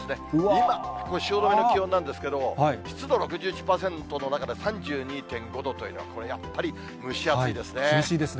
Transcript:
今、これ、汐留の気温なんですけれども、湿度６１％の中で３２．５度というのは、これやっぱり、厳しいですね。